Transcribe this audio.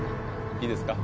いいですか？